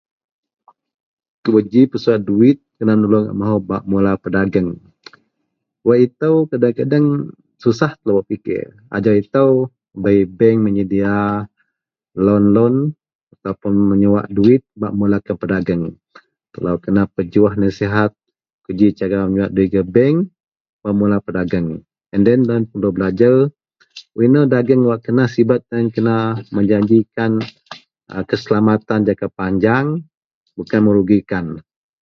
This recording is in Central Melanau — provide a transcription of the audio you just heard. kubaji pesuwak duwit kena menulung a mahou bak mula pedageng, wak itou kadeng- kadeng susah telou bak pikir ajau itou bei bank menyedia loan-loan ataupun meyuwak duwit bak memulakan pedageng, telou kena pejuah nasihat, kou ji cara meyuwak duwit gak bank, bak mula pedageng and then loien bak belajer inou dagen wak kena sibet loien kena menjanjikan keselamatan jangka panjang bukan merugikan